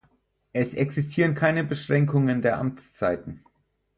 Es existieren keine Beschränkungen der Amtszeiten.